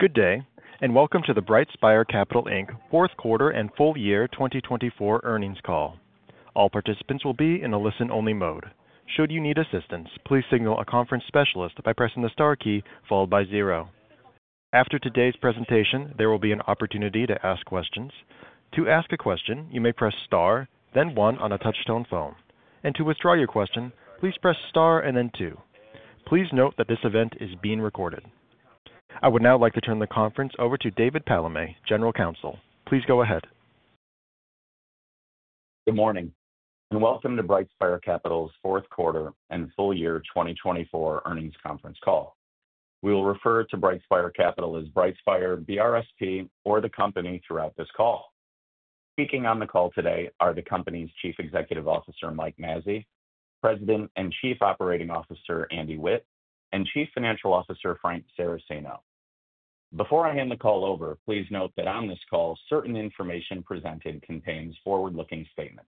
Good day, and welcome to the BrightSpire Capital Inc. Fourth Quarter and Full Year 2024 Earnings Call. All participants will be in a listen-only mode. Should you need assistance, please signal a conference specialist by pressing the star key followed by zero. After today's presentation, there will be an opportunity to ask questions. To ask a question, you may press star, then one on a touch-tone phone. And to withdraw your question, please press star and then two. Please note that this event is being recorded. I would now like to turn the conference over to David Palamé, General Counsel. Please go ahead. Good morning, and welcome to BrightSpire Capital's Fourth Quarter and Full Year 2024 Earnings Conference Call. We will refer to BrightSpire Capital as BrightSpire, BRSP or the company throughout this call. Speaking on the call today are the company's Chief Executive Officer, Mike Mazzei, President and Chief Operating Officer, Andy Witt, and Chief Financial Officer, Frank Saracino. Before I hand the call over, please note that on this call, certain information presented contains forward-looking statements.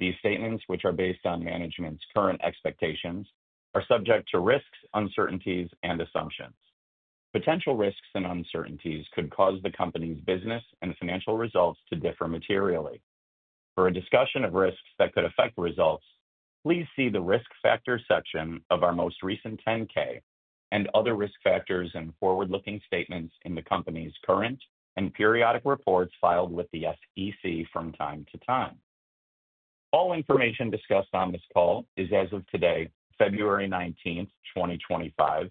These statements, which are based on management's current expectations, are subject to risks, uncertainties, and assumptions. Potential risks and uncertainties could cause the company's business and financial results to differ materially. For a discussion of risks that could affect results, please see the Risk Factors section of our most recent 10-K and other risk factors and forward-looking statements in the company's current and periodic reports filed with the SEC from time to time. All information discussed on this call is as of today, February 19th, 2025,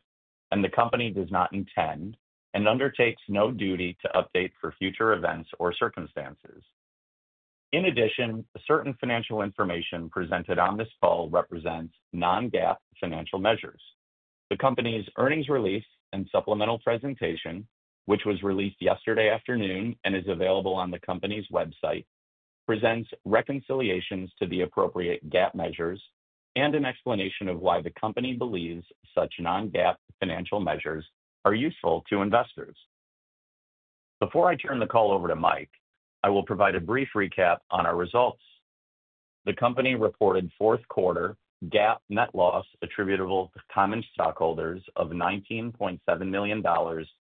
and the company does not intend and undertakes no duty to update for future events or circumstances. In addition, certain financial information presented on this call represents non-GAAP financial measures. The company's earnings release and supplemental presentation, which was released yesterday afternoon and is available on the company's website, presents reconciliations to the appropriate GAAP measures and an explanation of why the company believes such non-GAAP financial measures are useful to investors. Before I turn the call over to Mike, I will provide a brief recap on our results. The company reported fourth quarter GAAP net loss attributable to common stockholders of $19.7 million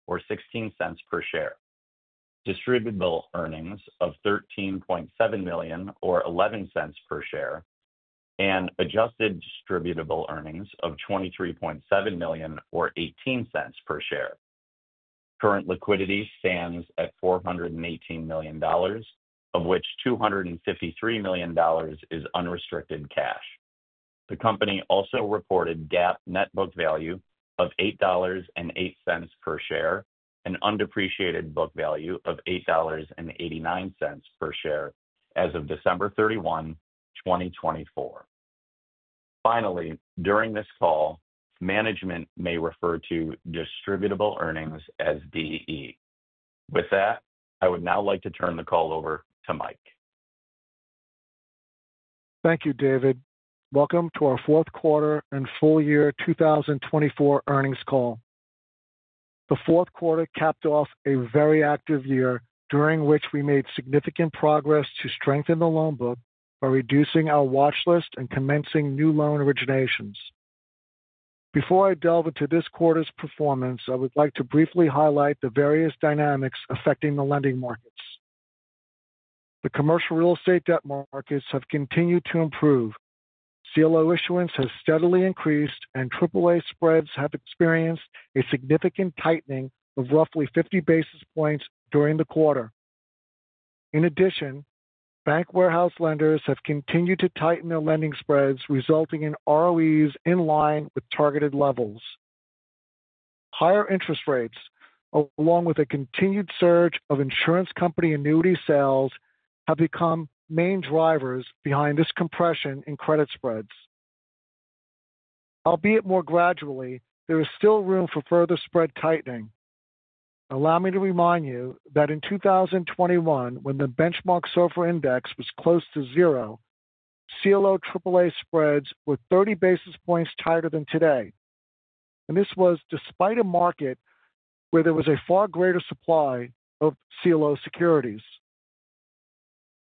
or $0.16 per share, distributable earnings of $13.7 million or $0.11 per share, and adjusted distributable earnings of $23.7 million or $0.18 per share. Current liquidity stands at $418 million, of which $253 million is unrestricted cash. The company also reported GAAP net book value of $8.08 per share and undepreciated book value of $8.89 per share as of December 31, 2024. Finally, during this call, management may refer to distributable earnings as DE. With that, I would now like to turn the call over to Mike. Thank you, David. Welcome to our Fourth Quarter and Full Year 2024 Earnings Call. The fourth quarter capped off a very active year, during which we made significant progress to strengthen the loan book by reducing our watch list and commencing new loan originations. Before I delve into this quarter's performance, I would like to briefly highlight the various dynamics affecting the lending markets. The commercial real estate debt markets have continued to improve. CLO issuance has steadily increased, and AAA spreads have experienced a significant tightening of roughly 50 basis points during the quarter. In addition, bank warehouse lenders have continued to tighten their lending spreads, resulting in ROEs in line with targeted levels. Higher interest rates, along with a continued surge of insurance company annuity sales, have become main drivers behind this compression in credit spreads. Albeit more gradually, there is still room for further spread tightening. Allow me to remind you that in 2021, when the benchmark SOFR index was close to zero, CLO AAA spreads were 30 basis points tighter than today, and this was despite a market where there was a far greater supply of CLO securities.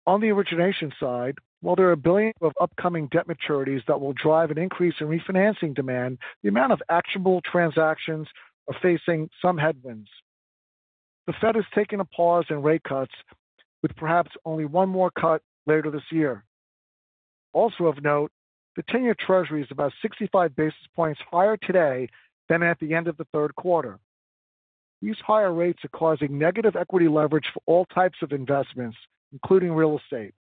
On the origination side, while there are $1 billion of upcoming debt maturities that will drive an increase in refinancing demand, the amount of actionable transactions is facing some headwinds. The Fed has taken a pause in rate cuts, with perhaps only one more cut later this year. Also of note, the 10-year Treasury is about 65 basis points higher today than at the end of the third quarter. These higher rates are causing negative equity leverage for all types of investments, including real estate.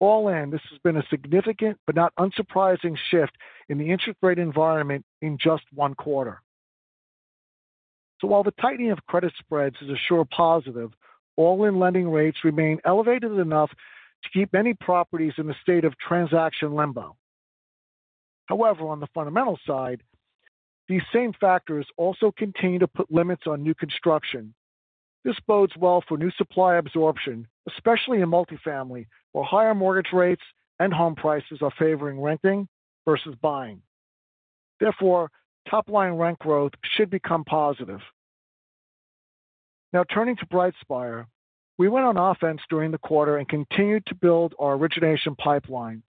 All in, this has been a significant but not unsurprising shift in the interest rate environment in just one quarter. While the tightening of credit spreads is a sure positive, all-in lending rates remain elevated enough to keep many properties in a state of transaction limbo. However, on the fundamental side, these same factors also continue to put limits on new construction. This bodes well for new supply absorption, especially in multifamily, where higher mortgage rates and home prices are favoring renting versus buying. Therefore, top-line rent growth should become positive. Now, turning to BrightSpire, we went on offense during the quarter and continued to build our origination pipeline.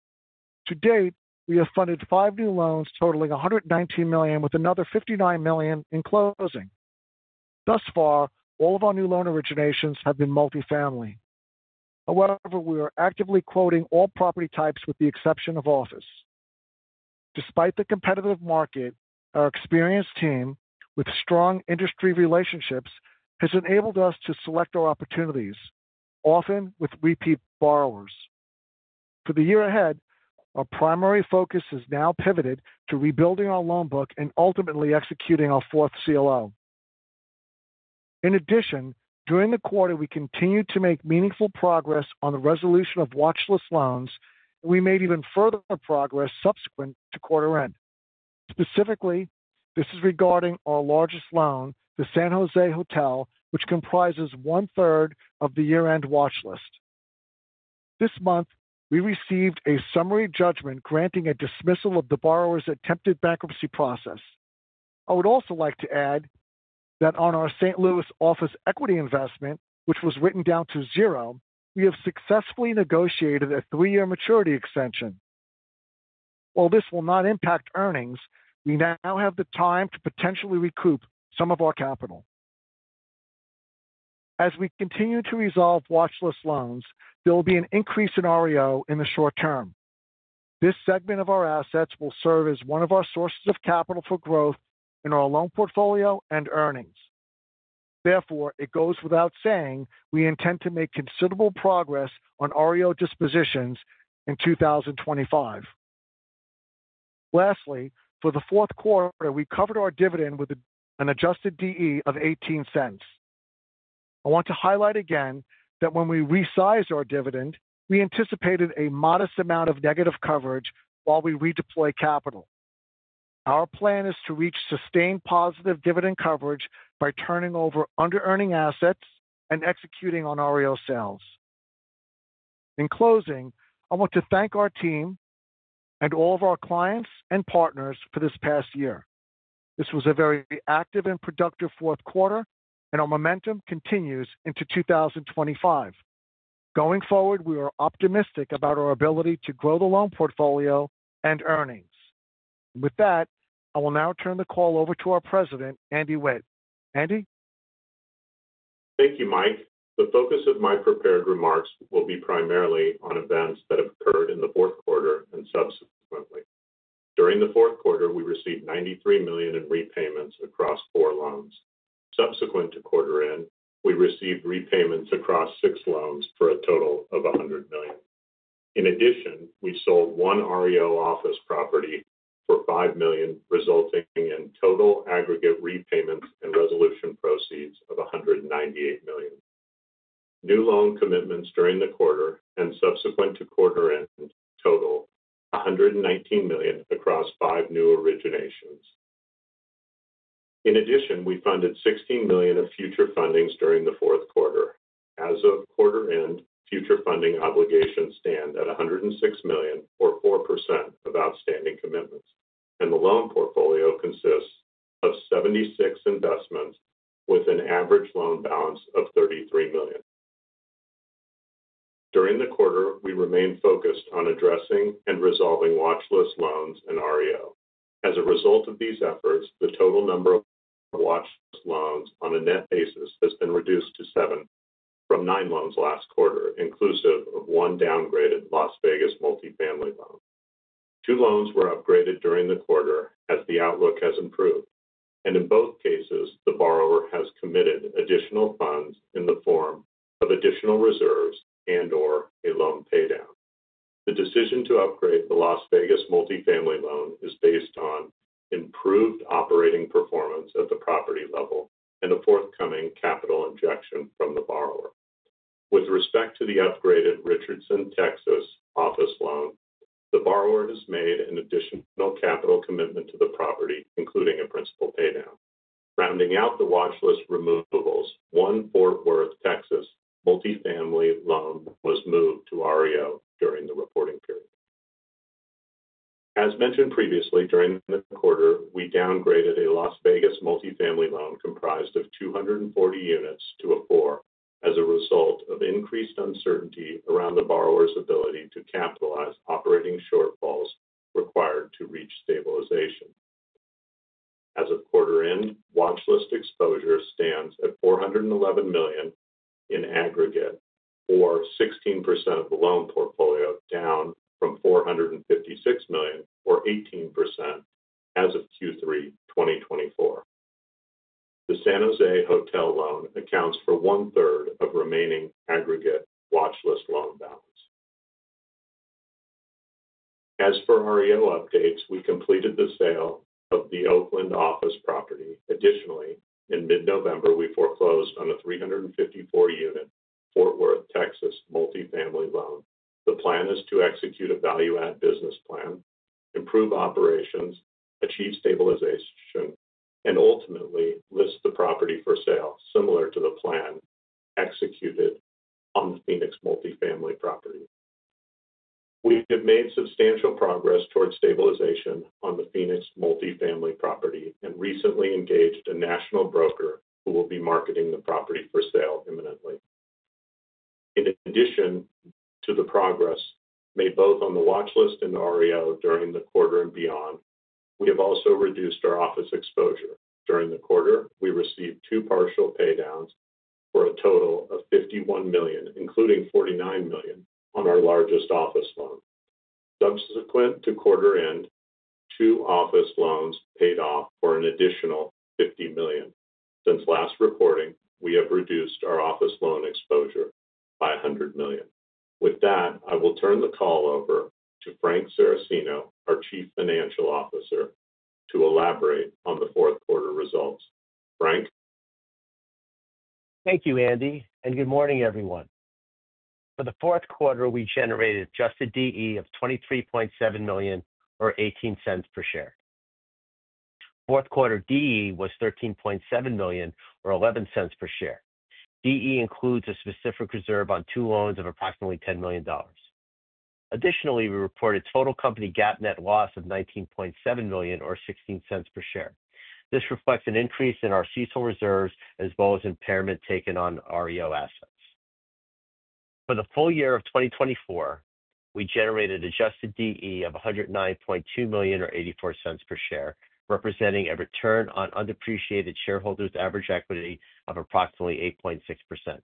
To date, we have funded five new loans totaling $119 million, with another $59 million in closing. Thus far, all of our new loan originations have been multifamily. However, we are actively quoting all property types with the exception of office. Despite the competitive market, our experienced team with strong industry relationships has enabled us to select our opportunities, often with repeat borrowers. For the year ahead, our primary focus has now pivoted to rebuilding our loan book and ultimately executing our fourth CLO. In addition, during the quarter, we continued to make meaningful progress on the resolution of watch list loans, and we made even further progress subsequent to quarter end. Specifically, this is regarding our largest loan, the San Jose Hotel, which comprises one-third of the year-end watch list. This month, we received a summary judgment granting a dismissal of the borrower's attempted bankruptcy process. I would also like to add that on our St. Louis office equity investment, which was written down to zero, we have successfully negotiated a three-year maturity extension. While this will not impact earnings, we now have the time to potentially recoup some of our capital. As we continue to resolve watch list loans, there will be an increase in REO in the short term. This segment of our assets will serve as one of our sources of capital for growth in our loan portfolio and earnings. Therefore, it goes without saying we intend to make considerable progress on REO dispositions in 2025. Lastly, for the fourth quarter, we covered our dividend with an adjusted DE of $0.18. I want to highlight again that when we resized our dividend, we anticipated a modest amount of negative coverage while we redeploy capital. Our plan is to reach sustained positive dividend coverage by turning over under-earning assets and executing on REO sales. In closing, I want to thank our team and all of our clients and partners for this past year. This was a very active and productive fourth quarter, and our momentum continues into 2025. Going forward, we are optimistic about our ability to grow the loan portfolio and earnings. With that, I will now turn the call over to our President, Andy Witt. Andy? Thank you, Mike. The focus of my prepared remarks will be primarily on events that have occurred in the fourth quarter and subsequently. During the fourth quarter, we received $93 million in repayments across four loans. Subsequent to quarter end, we received repayments across six loans for a total of $100 million. In addition, we sold one REO office property for $5 million, resulting in total aggregate repayments and resolution proceeds of $198 million. New loan commitments during the quarter and subsequent to quarter end totaled $119 million across five new originations. In addition, we funded $16 million of future fundings during the fourth quarter. As of quarter end, future funding obligations stand at $106 million, or 4% of outstanding commitments, and the loan portfolio consists of 76 investments with an average loan balance of $33 million. During the quarter, we remained focused on addressing and resolving watch list loans and REO. As a result of these efforts, the total number of watch list loans on a net basis has been reduced to seven from nine loans last quarter, inclusive of one downgraded Las Vegas multifamily loan. Two loans were upgraded during the quarter as the outlook has improved, and in both cases, the borrower has committed additional funds in the form of additional reserves and/or a loan paydown. The decision to upgrade the Las Vegas multifamily loan is based on improved operating performance at the property level and a forthcoming capital injection from the borrower. With respect to the upgraded Richardson, Texas, office loan, the borrower has made an additional capital commitment to the property, including a principal paydown. Rounding out the watch list removals, one Fort Worth, Texas, multifamily loan was moved to REO during the reporting period. As mentioned previously, during the quarter, we downgraded a Las Vegas multifamily loan comprised of 240 units to a four as a result of increased uncertainty around the borrower's ability to capitalize operating shortfalls required to reach stabilization. As of quarter end, watch list exposure stands at $411 million in aggregate, or 16% of the loan portfolio, down from $456 million, or 18% as of Q3 2024. The San Jose Hotel loan accounts for one-third of remaining aggregate watch list loan balance. As for REO updates, we completed the sale of the Oakland office property. Additionally, in mid-November, we foreclosed on a 354-unit Fort Worth, Texas, multifamily loan. The plan is to execute a value-add business plan, improve operations, achieve stabilization, and ultimately list the property for sale, similar to the plan executed on the Phoenix multifamily property. We have made substantial progress towards stabilization on the Phoenix multifamily property and recently engaged a national broker who will be marketing the property for sale imminently. In addition to the progress made both on the watch list and REO during the quarter and beyond, we have also reduced our office exposure. During the quarter, we received two partial paydowns for a total of $51 million, including $49 million on our largest office loan. Subsequent to quarter end, two office loans paid off for an additional $50 million. Since last reporting, we have reduced our office loan exposure by $100 million. With that, I will turn the call over to Frank Saracino, our Chief Financial Officer, to elaborate on the fourth quarter results. Frank? Thank you, Andy. And good morning, everyone. For the fourth quarter, we generated just a DE of $23.7 million, or $0.18 per share. Fourth quarter DE was $13.7 million, or $0.11 per share. DE includes a specific reserve on two loans of approximately $10 million. Additionally, we reported total company GAAP net loss of $19.7 million, or $0.16 per share. This reflects an increase in our CECL reserves as well as impairment taken on REO assets. For the full year of 2024, we generated adjusted DE of $109.2 million, or $0.84 per share, representing a return on undepreciated shareholders' average equity of approximately 8.6%.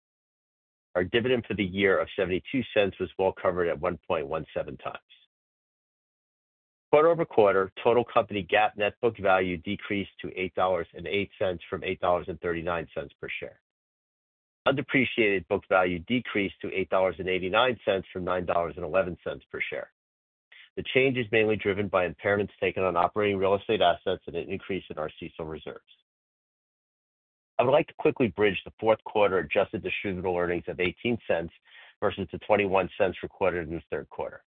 Our dividend for the year of $0.72 was well covered at 1.17x. Quarter over quarter, total company GAAP net book value decreased to $8.08 from $8.39 per share. Undepreciated book value decreased to $8.89 from $9.11 per share. The change is mainly driven by impairments taken on operating real estate assets and an increase in our CECL reserves. I would like to quickly bridge the fourth quarter adjusted distributable earnings of $0.18 versus the $0.21 recorded in the third quarter.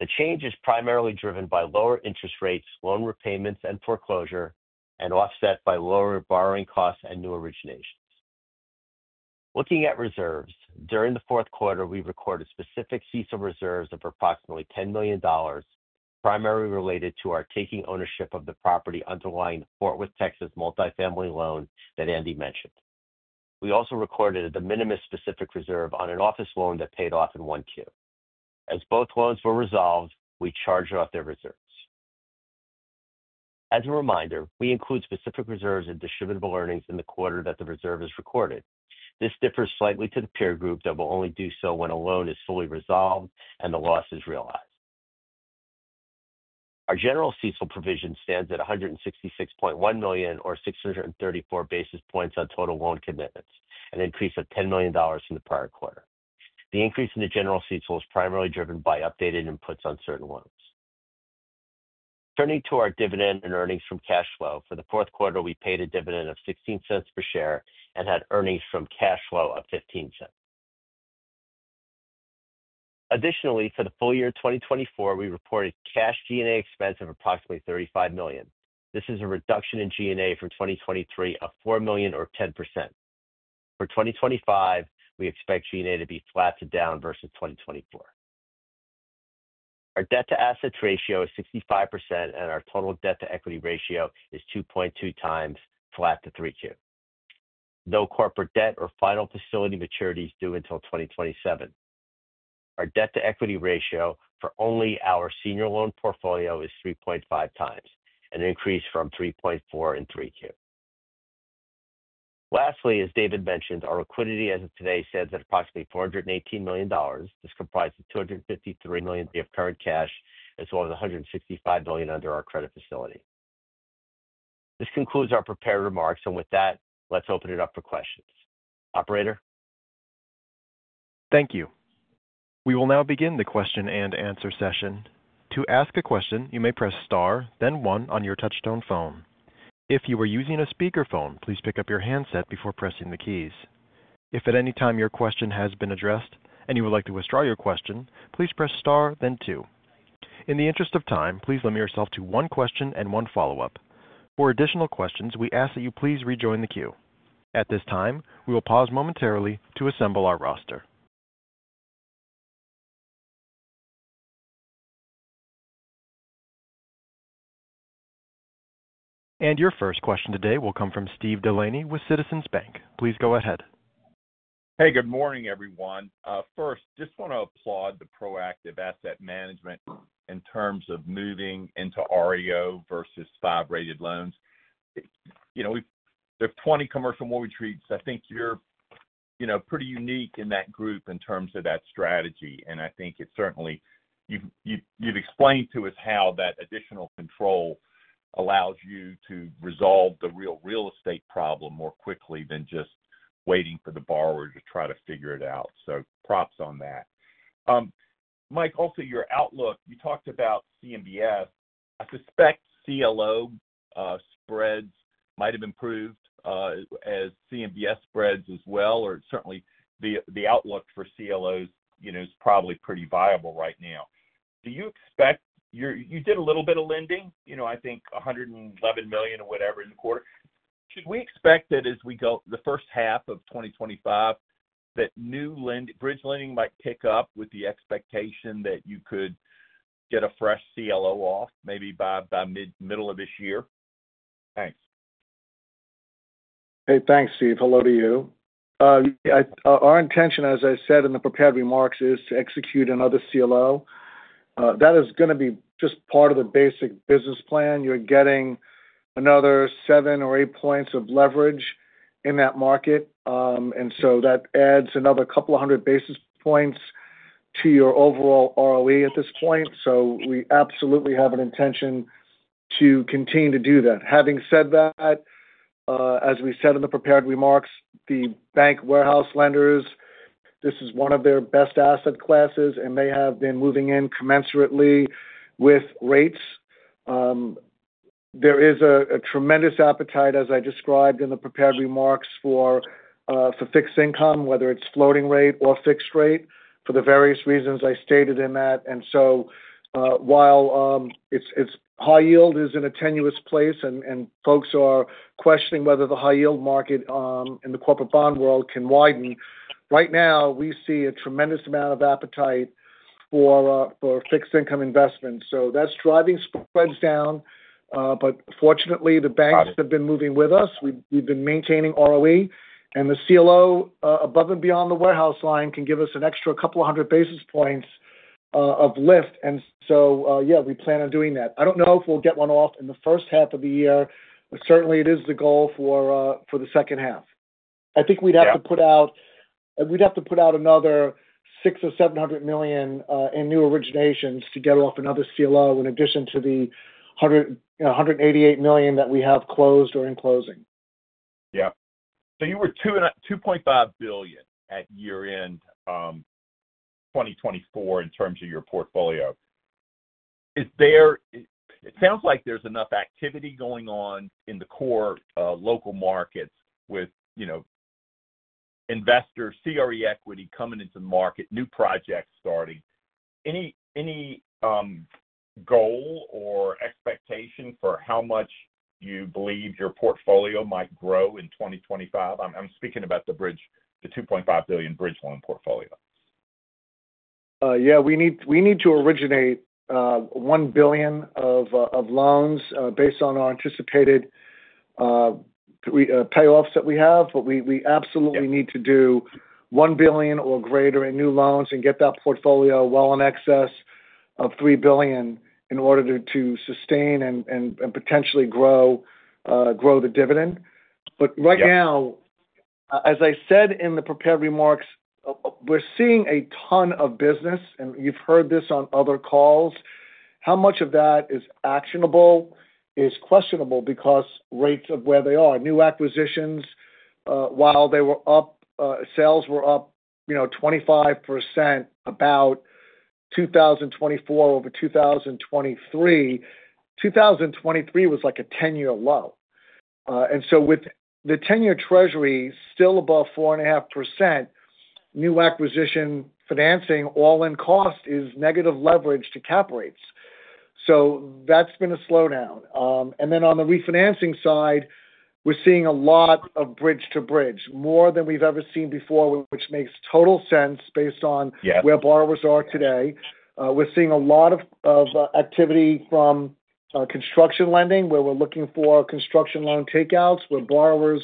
The change is primarily driven by lower interest rates, loan repayments and foreclosure, and offset by lower borrowing costs and new originations. Looking at reserves, during the fourth quarter, we recorded specific CECL reserves of approximately $10 million, primarily related to our taking ownership of the property underlying Fort Worth, Texas, multifamily loan that Andy mentioned. We also recorded a de minimis specific reserve on an office loan that paid off in 1Q. As both loans were resolved, we charged off their reserves. As a reminder, we include specific reserves and distributable earnings in the quarter that the reserve is recorded. This differs slightly to the peer group that will only do so when a loan is fully resolved and the loss is realized. Our general CECL provision stands at $166.1 million, or 634 basis points on total loan commitments, an increase of $10 million from the prior quarter. The increase in the general CECL is primarily driven by updated inputs on certain loans. Turning to our dividend and earnings from cash flow, for the fourth quarter, we paid a dividend of $0.16 per share and had earnings from cash flow of $0.15. Additionally, for the full year 2024, we reported cash G&A expense of approximately $35 million. This is a reduction in G&A for 2023 of $4 million, or 10%. For 2025, we expect G&A to be flat to down versus 2024. Our debt to asset ratio is 65%, and our total debt to equity ratio is 2.2x flat to 3Q. No corporate debt or final facility maturities due until 2027. Our debt to equity ratio for only our senior loan portfolio is 3.5x, an increase from 3.4x in 3Q. Lastly, as David mentioned, our liquidity as of today stands at approximately $418 million. This comprises $253 million of current cash as well as $165 million under our credit facility. This concludes our prepared remarks, and with that, let's open it up for questions. Operator? Thank you. We will now begin the question-and-answer session. To ask a question, you may press star, then one on your touch-tone phone. If you are using a speakerphone, please pick up your handset before pressing the keys. If at any time your question has been addressed and you would like to withdraw your question, please press star, then two. In the interest of time, please limit yourself to one question and one follow-up. For additional questions, we ask that you please rejoin the queue. At this time, we will pause momentarily to assemble our roster. Your first question today will come from Steve Delaney with Citizens Bank. Please go ahead. Hey, good morning, everyone. First, just want to applaud the proactive asset management in terms of moving into REO versus five-rated loans. There are 20 commercial mortgage REITs. I think you're pretty unique in that group in terms of that strategy, and I think it certainly you've explained to us how that additional control allows you to resolve the real real estate problem more quickly than just waiting for the borrower to try to figure it out. So props on that. Mike, also your outlook, you talked about CMBS. I suspect CLO spreads might have improved as CMBS spreads as well, or certainly the outlook for CLOs is probably pretty viable right now. Do you expect you did a little bit of lending, I think $111 million or whatever in the quarter. Should we expect that as we go the first half of 2025, that new bridge lending might pick up with the expectation that you could get a fresh CLO off maybe by middle of this year? Thanks. Hey, thanks, Steve. Hello to you. Our intention, as I said in the prepared remarks, is to execute another CLO. That is going to be just part of the basic business plan. You're getting another seven or eight points of leverage in that market, and so that adds another couple of hundred basis points to your overall ROE at this point. We absolutely have an intention to continue to do that. Having said that, as we said in the prepared remarks, the bank warehouse lenders, this is one of their best asset classes, and they have been moving commensurately with rates. There is a tremendous appetite, as I described in the prepared remarks, for fixed income, whether it's floating rate or fixed rate, for the various reasons I stated in that. And so while high yield is in a tenuous place and folks are questioning whether the high yield market in the corporate bond world can widen, right now we see a tremendous amount of appetite for fixed income investments. So that's driving spreads down. But fortunately, the banks have been moving with us. We've been maintaining ROE. And the CLO above and beyond the warehouse line can give us an extra couple of hundred basis points of lift. And so, yeah, we plan on doing that. I don't know if we'll get one off in the first half of the year, but certainly it is the goal for the second half. I think we'd have to put out another $600 million-$700 million in new originations to get off another CLO in addition to the $188 million that we have closed or in closing. Yeah. So you were $2.5 billion at year-end 2024 in terms of your portfolio. It sounds like there's enough activity going on in the core local markets with investor CRE equity coming into the market, new projects starting. Any goal or expectation for how much you believe your portfolio might grow in 2025? I'm speaking about the $2.5 billion bridge loan portfolio. Yeah. We need to originate $1 billion of loans based on our anticipated payoffs that we have, but we absolutely need to do $1 billion or greater in new loans and get that portfolio well in excess of $3 billion in order to sustain and potentially grow the dividend. Right now, as I said in the prepared remarks, we're seeing a ton of business, and you've heard this on other calls. How much of that is actionable is questionable because rates of where they are. New acquisitions, while they were up, sales were up 25% about 2024 over 2023. 2023 was like a 10-year low, so with the 10-year Treasury still above 4.5%, new acquisition financing all in cost is negative leverage to cap rates. That's been a slowdown. And then on the refinancing side, we're seeing a lot of bridge to bridge, more than we've ever seen before, which makes total sense based on where borrowers are today. We're seeing a lot of activity from construction lending, where we're looking for construction loan takeouts, where borrowers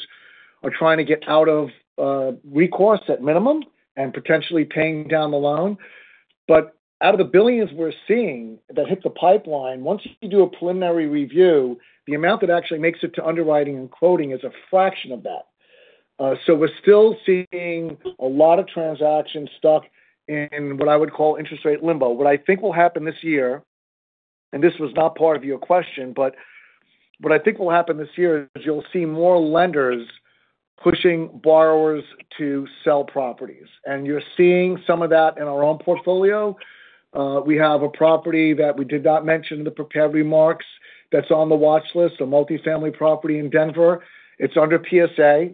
are trying to get out of recourse at minimum and potentially paying down the loan. But out of the billions we're seeing that hit the pipeline, once you do a preliminary review, the amount that actually makes it to underwriting and quoting is a fraction of that. So we're still seeing a lot of transactions stuck in what I would call interest rate limbo. What I think will happen this year, and this was not part of your question, but what I think will happen this year is you'll see more lenders pushing borrowers to sell properties. You're seeing some of that in our own portfolio. We have a property that we did not mention in the prepared remarks that's on the watch list, a multifamily property in Denver. It's under PSA.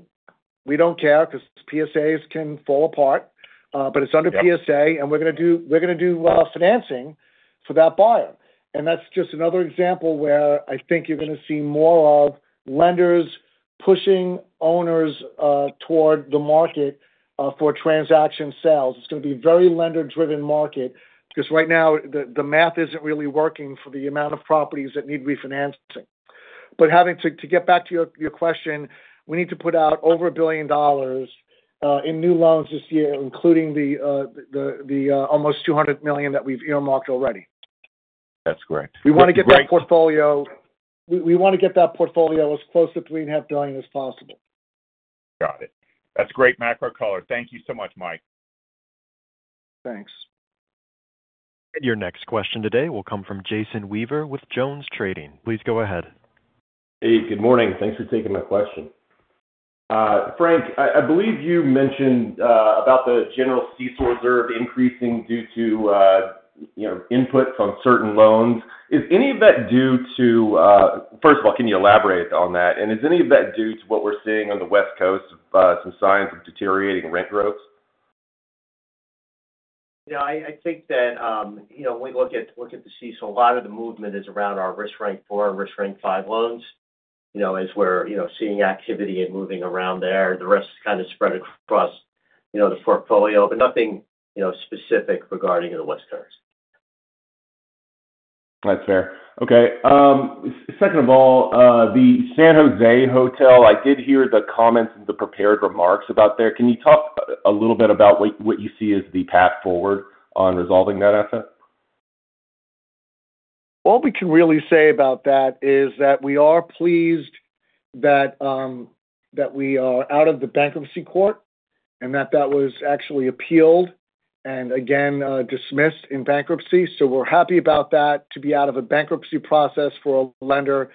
We don't care because PSAs can fall apart. But it's under PSA, and we're going to do financing for that buyer. And that's just another example where I think you're going to see more of lenders pushing owners toward the market for transaction sales. It's going to be a very lender-driven market because right now the math isn't really working for the amount of properties that need refinancing. But to get back to your question, we need to put out over $1 billion in new loans this year, including the almost $200 million that we've earmarked already. That's great. Great. We want to get that portfolio as close to $3.5 billion as possible. Got it. That's great macro color. Thank you so much, Mike. Thanks. And your next question today will come from Jason Weaver with JonesTrading. Please go ahead. Hey, good morning. Thanks for taking my question. Frank, I believe you mentioned about the general CECL reserve increasing due to inputs on certain loans. Is any of that due to, first of all, can you elaborate on that? And is any of that due to what we're seeing on the West Coast, some signs of deteriorating rent growth? Yeah. I think that when we look at the CECL, a lot of the movement is around our risk-ranked four and risk-ranked five loans as we're seeing activity and moving around there. The rest is kind of spread across the portfolio, but nothing specific regarding the West Coast. That's fair. Okay. Second of all, the San Jose Hotel, I did hear the comments in the prepared remarks about there. Can you talk a little bit about what you see as the path forward on resolving that asset? All we can really say about that is that we are pleased that we are out of the bankruptcy court and that that was actually appealed and again dismissed in bankruptcy. So we're happy about that. To be out of a bankruptcy process for a lender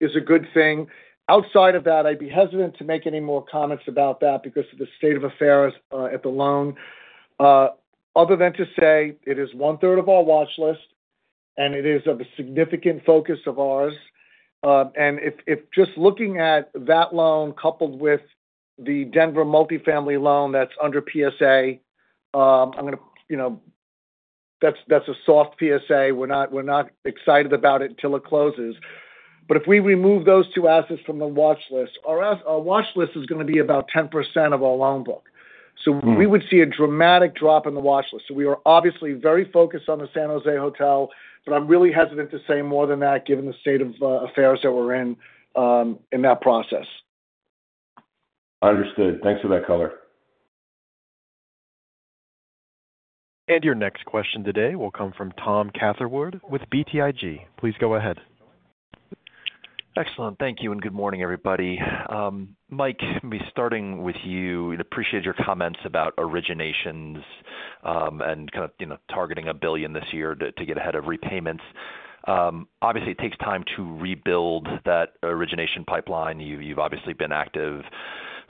is a good thing. Outside of that, I'd be hesitant to make any more comments about that because of the state of affairs at the loan. Other than to say it is one-third of our watch list, and it is of a significant focus of ours, and if just looking at that loan coupled with the Denver multifamily loan that's under PSA, I'm going to that's a soft PSA. We're not excited about it until it closes, but if we remove those two assets from the watch list, our watch list is going to be about 10% of our loan book. We would see a dramatic drop in the watch list. We are obviously very focused on the San Jose hotel, but I'm really hesitant to say more than that given the state of affairs that we're in in that process. Understood. Thanks for that color. Your next question today will come from Tom Catherwood with BTIG. Please go ahead. Excellent. Thank you. And good morning, everybody. Mike, maybe starting with you, I appreciate your comments about originations and kind of targeting $1 billion this year to get ahead of repayments. Obviously, it takes time to rebuild that origination pipeline. You've obviously been active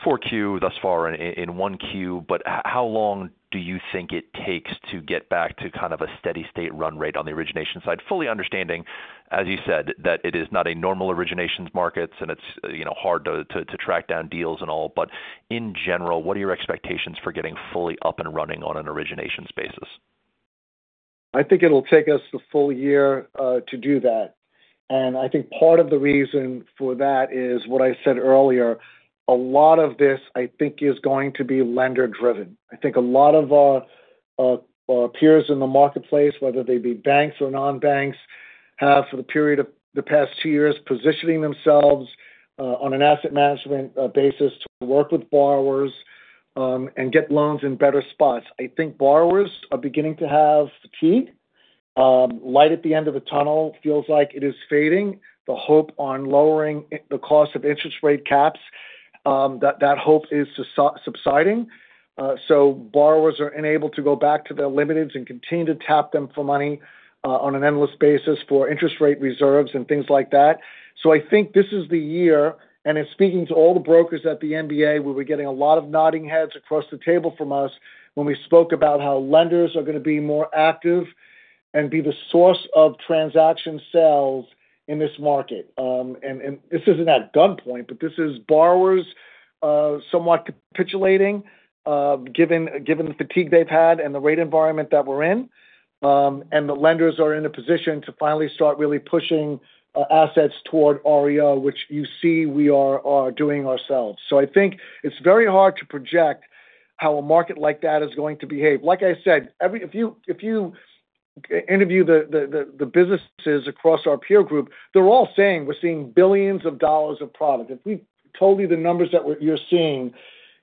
Q4 thus far in Q1. But how long do you think it takes to get back to kind of a steady-state run rate on the origination side? Fully understanding, as you said, that it is not a normal originations market, and it's hard to track down deals and all. But in general, what are your expectations for getting fully up and running on an originations basis? I think it'll take us a full year to do that, and I think part of the reason for that is what I said earlier. A lot of this, I think, is going to be lender-driven. I think a lot of our peers in the marketplace, whether they be banks or non-banks, have for the period of the past two years positioning themselves on an asset management basis to work with borrowers and get loans in better spots. I think borrowers are beginning to have fatigue. Light at the end of the tunnel feels like it is fading. The hope on lowering the cost of interest rate caps, that hope is subsiding, so borrowers are unable to go back to their limiteds and continue to tap them for money on an endless basis for interest rate reserves and things like that. So I think this is the year, and speaking to all the brokers at the MBA, we were getting a lot of nodding heads across the table from us when we spoke about how lenders are going to be more active and be the source of transaction sales in this market. And this isn't at gunpoint, but this is borrowers somewhat capitulating given the fatigue they've had and the rate environment that we're in. And the lenders are in a position to finally start really pushing assets toward REO, which you see we are doing ourselves. So I think it's very hard to project how a market like that is going to behave. Like I said, if you interview the businesses across our peer group, they're all saying we're seeing billions of dollars of profit. If we told you the numbers that you're seeing,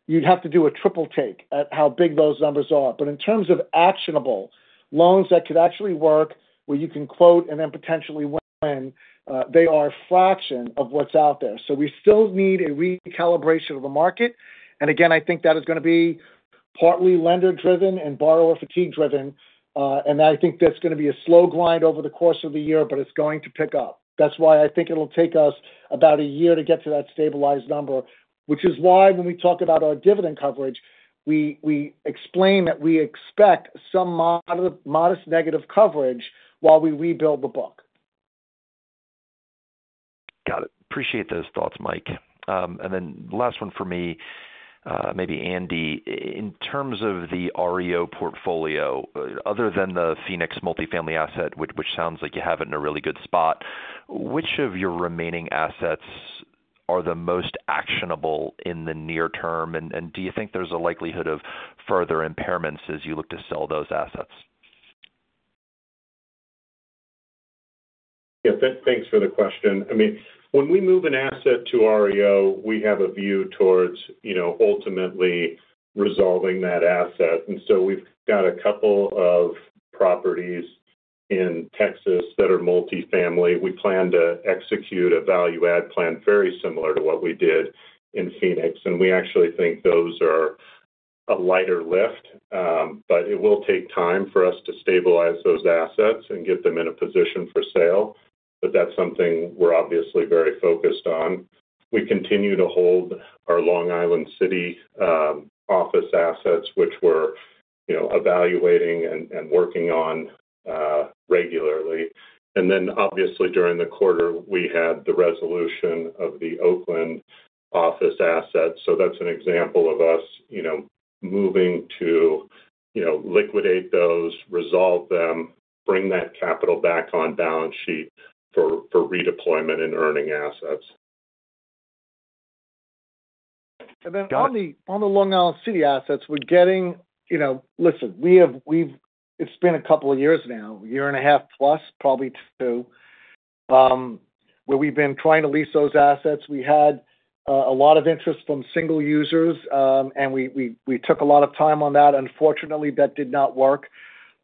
you'd have to do a triple take at how big those numbers are, but in terms of actionable loans that could actually work where you can quote and then potentially win, they are a fraction of what's out there, so we still need a recalibration of the market, and again, I think that is going to be partly lender-driven and borrower fatigue-driven, and I think that's going to be a slow grind over the course of the year, but it's going to pick up. That's why I think it'll take us about a year to get to that stabilized number, which is why when we talk about our dividend coverage, we explain that we expect some modest negative coverage while we rebuild the book. Got it. Appreciate those thoughts, Mike. And then the last one for me, maybe Andy. In terms of the REO portfolio, other than the Phoenix multifamily asset, which sounds like you have it in a really good spot, which of your remaining assets are the most actionable in the near term? And do you think there's a likelihood of further impairments as you look to sell those assets? Yeah. Thanks for the question. I mean, when we move an asset to REO, we have a view towards ultimately resolving that asset. And so we've got a couple of properties in Texas that are multifamily. We plan to execute a value-add plan very similar to what we did in Phoenix. And we actually think those are a lighter lift. But it will take time for us to stabilize those assets and get them in a position for sale. But that's something we're obviously very focused on. We continue to hold our Long Island City office assets, which we're evaluating and working on regularly. And then, obviously, during the quarter, we had the resolution of the Oakland office assets. So that's an example of us moving to liquidate those, resolve them, bring that capital back on balance sheet for redeployment and earning assets. Then on the Long Island City assets, we're getting, listen, it's been a couple of years now, a year and a half plus, probably two, where we've been trying to lease those assets. We had a lot of interest from single users, and we took a lot of time on that. Unfortunately, that did not work.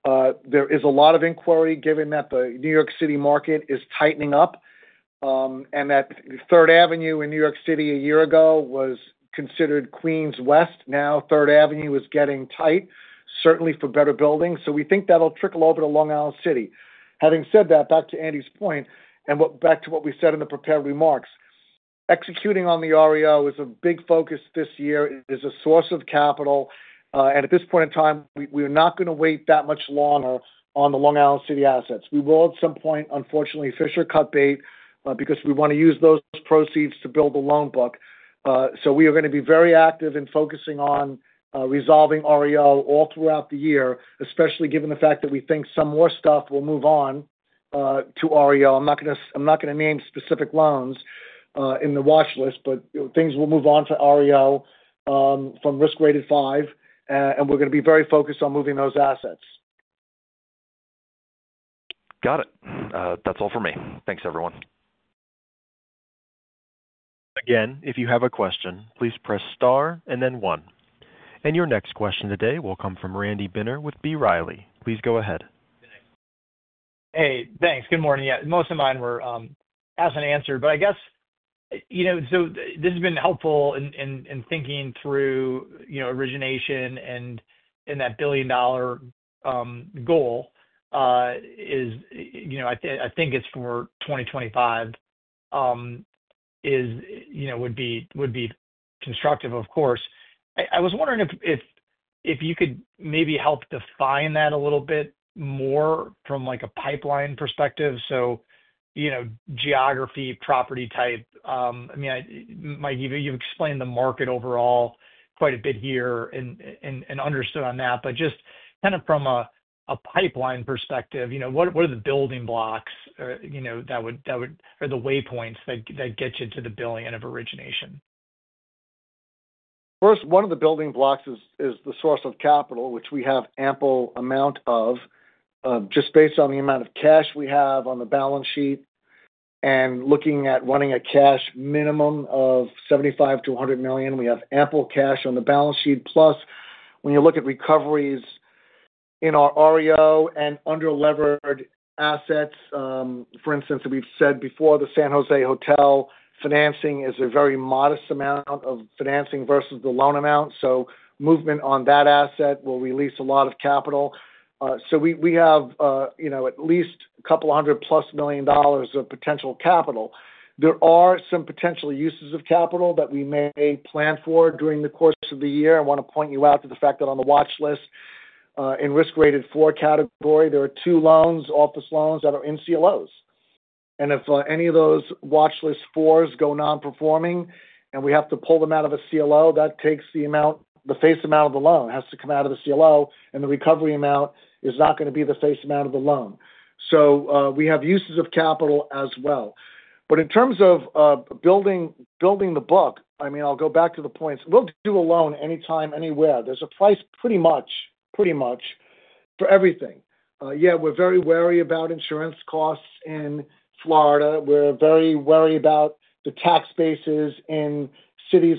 There is a lot of inquiry given that the New York City market is tightening up and that Third Avenue in New York City a year ago was considered Queens West. Now Third Avenue is getting tight, certainly for better building, so we think that'll trickle over to Long Island City. Having said that, back to Andy's point and back to what we said in the prepared remarks, executing on the REO is a big focus this year. It is a source of capital. And at this point in time, we are not going to wait that much longer on the Long Island City assets. We will, at some point, unfortunately, fish or cut bait because we want to use those proceeds to build the loan book. So we are going to be very active in focusing on resolving REO all throughout the year, especially given the fact that we think some more stuff will move on to REO. I'm not going to name specific loans in the watch list, but things will move on to REO from risk-ranked five. And we're going to be very focused on moving those assets. Got it. That's all for me. Thanks, everyone. Again, if you have a question, please press star and then one. And your next question today will come from Randy Binner with B. Riley. Please go ahead. Hey. Thanks. Good morning. Yeah. Most of mine were as an answer. But I guess so this has been helpful in thinking through origination, and that billion-dollar goal is. I think it's for 2025. Would be constructive, of course. I was wondering if you could maybe help define that a little bit more from a pipeline perspective. So geography, property type. I mean, Mike, you've explained the market overall quite a bit here and understood on that. But just kind of from a pipeline perspective, what are the building blocks that would or the waypoints that get you to the billion of origination? First, one of the building blocks is the source of capital, which we have ample amount of just based on the amount of cash we have on the balance sheet, and looking at running a cash minimum of $75 million-$100 million, we have ample cash on the balance sheet. Plus, when you look at recoveries in our REO and under-levered assets, for instance, we've said before the San Jose Hotel financing is a very modest amount of financing versus the loan amount, so movement on that asset will release a lot of capital, so we have at least a couple of hundred plus million dollars of potential capital. There are some potential uses of capital that we may plan for during the course of the year. I want to point out to you the fact that on the watch list in the risk-ranked four category, there are two loans, office loans that are in CLOs, and if any of those watch list fours go non-performing and we have to pull them out of a CLO, that takes the amount, the face amount of the loan has to come out of the CLO, and the recovery amount is not going to be the face amount of the loan, so we have uses of capital as well, but in terms of building the book, I mean, I'll go back to the points. We'll do a loan anytime, anywhere. There's a price pretty much for everything. Yeah, we're very wary about insurance costs in Florida. We're very wary about the tax bases in cities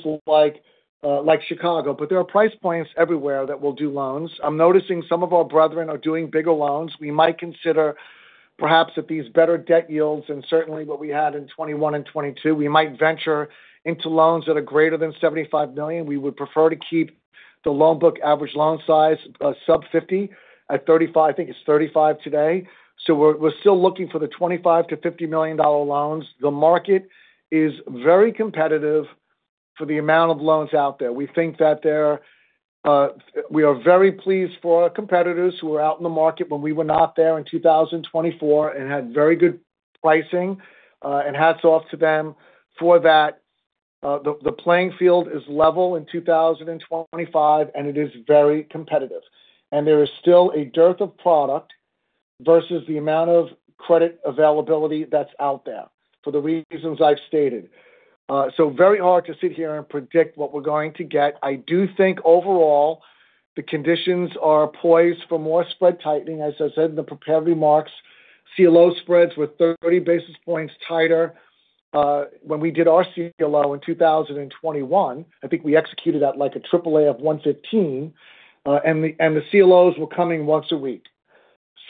like Chicago, but there are price points everywhere that will do loans. I'm noticing some of our brethren are doing bigger loans. We might consider perhaps at these better debt yields and certainly what we had in 2021 and 2022, we might venture into loans that are greater than $75 million. We would prefer to keep the loan book average loan size sub-$50 million at $35 million. I think it's $35 million today. So we're still looking for the $25 million-$50 million loans. The market is very competitive for the amount of loans out there. We think that we are very pleased for our competitors who are out in the market when we were not there in 2024 and had very good pricing. Hats off to them for that. The playing field is level in 2025, and it is very competitive. There is still a dearth of product versus the amount of credit availability that's out there for the reasons I've stated. Very hard to sit here and predict what we're going to get. I do think overall the conditions are poised for more spread tightening, as I said in the prepared remarks. CLO spreads were 30 basis points tighter when we did our CLO in 2021. I think we executed that like a triple-A of 115. The CLOs were coming once a week.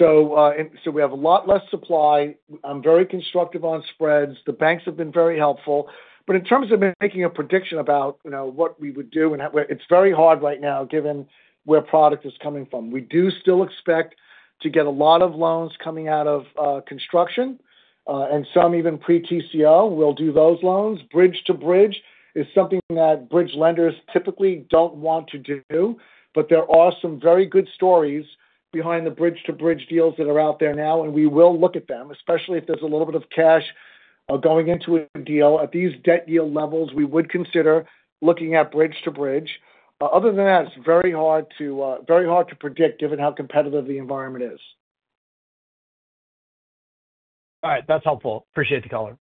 We have a lot less supply. I'm very constructive on spreads. The banks have been very helpful. In terms of making a prediction about what we would do, it's very hard right now given where product is coming from. We do still expect to get a lot of loans coming out of construction and some even Pre-TCO. We'll do those loans. Bridge to bridge is something that bridge lenders typically don't want to do. But there are some very good stories behind the bridge to bridge deals that are out there now. And we will look at them, especially if there's a little bit of cash going into a deal. At these debt yield levels, we would consider looking at bridge to bridge. Other than that, it's very hard to predict given how competitive the environment is. All right. That's helpful. Appreciate the color.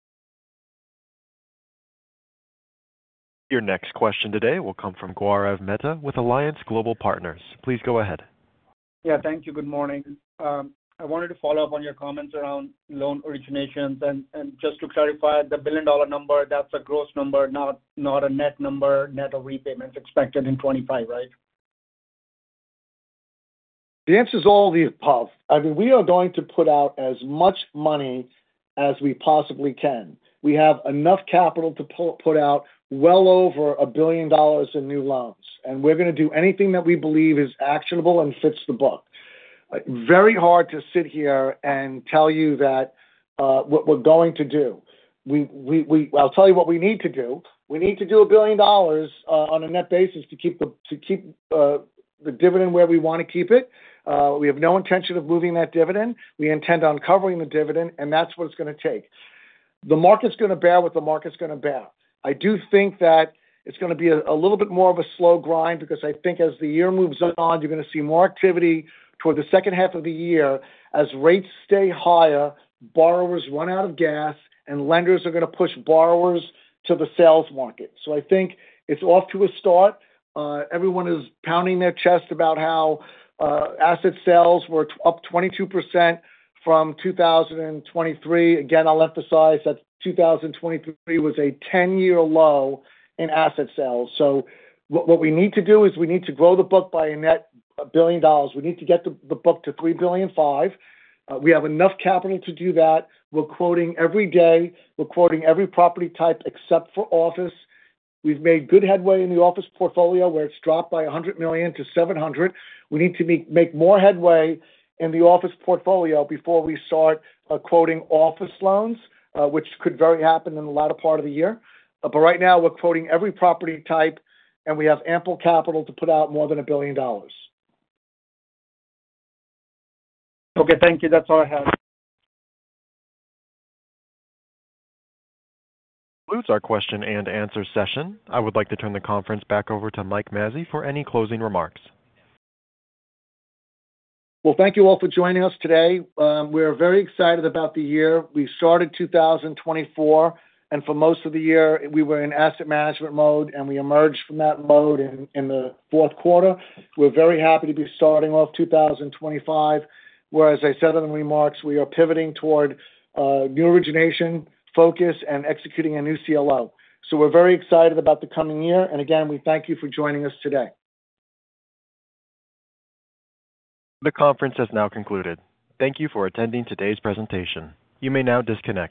Your next question today will come from Gaurav Mehta with Alliance Global Partners. Please go ahead. Yeah. Thank you. Good morning. I wanted to follow up on your comments around loan originations. And just to clarify, the billion-dollar number, that's a gross number, not a net number, net of repayments expected in 2025, right? The answer is all of the above. I mean, we are going to put out as much money as we possibly can. We have enough capital to put out well over $1 billion in new loans, and we're going to do anything that we believe is actionable and fits the book. Very hard to sit here and tell you that what we're going to do. I'll tell you what we need to do. We need to do $1 billion on a net basis to keep the dividend where we want to keep it. We have no intention of moving that dividend. We intend on covering the dividend, and that's what it's going to take. The market's going to bear what the market's going to bear. I do think that it's going to be a little bit more of a slow grind because I think as the year moves on, you're going to see more activity toward the second half of the year. As rates stay higher, borrowers run out of gas, and lenders are going to push borrowers to the sales market. So I think it's off to a start. Everyone is pounding their chest about how asset sales were up 22% from 2023. Again, I'll emphasize that 2023 was a 10-year low in asset sales. So what we need to do is we need to grow the book by a net $1 billion. We need to get the book to $3.5 billion. We have enough capital to do that. We're quoting every day. We're quoting every property type except for office. We've made good headway in the office portfolio where it's dropped by $100 million to $700 million. We need to make more headway in the office portfolio before we start quoting office loans, which could very happen in the latter part of the year. But right now, we're quoting every property type, and we have ample capital to put out more than $1 billion. Okay. Thank you. That's all I have. Concludes our question-and-answer session. I would like to turn the conference back over to Mike Mazzei for any closing remarks. Thank you all for joining us today. We are very excited about the year. We started 2024. For most of the year, we were in asset management mode, and we emerged from that mode in the fourth quarter. We're very happy to be starting off 2025. As I said in the remarks, we are pivoting toward new origination focus and executing a new CLO. We're very excited about the coming year. Again, we thank you for joining us today. The conference has now concluded. Thank you for attending today's presentation. You may now disconnect.